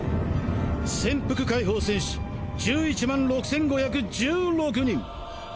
潜伏解放戦士１１万６５１６人。